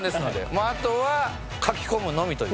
もうあとはかきこむのみという。